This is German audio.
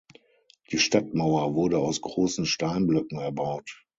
Die Stadtmauer wurde aus großen Steinblöcken erbaut.